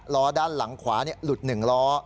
ล้อด้านหลังขวาหลุด๑ล้อ